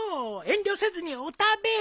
遠慮せずにお食べ。